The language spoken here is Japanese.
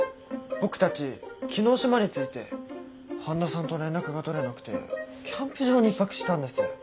僕たち昨日島に着いて半田さんと連絡が取れなくてキャンプ場に１泊したんです。